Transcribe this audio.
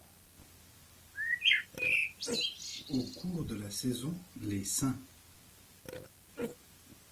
Au cours de la saison, les St.